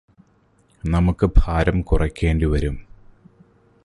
നമുക്ക് ഭാരം കുറയ്കേണ്ടിവരും